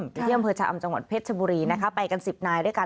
ที่เที่ยมเผือชะอำจังหวันเพชรชบุรีไปกัน๑๐นายด้วยกัน